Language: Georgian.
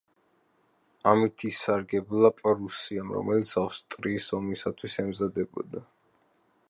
ამით ისარგებლა პრუსიამ, რომელიც ავსტრიის ომისათვის ემზადებოდა.